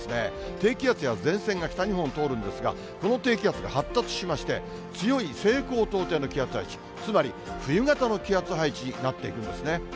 低気圧や前線が北日本を通るんですが、この低気圧が発達しまして、強い西高東低の気圧配置、つまり、冬型の気圧配置になっていくんですね。